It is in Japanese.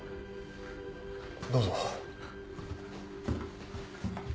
どうぞ。